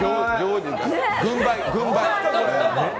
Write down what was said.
軍配。